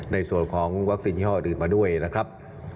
ในส่วนของวัคซีนยี่ห้ออื่นมาด้วยนะครับ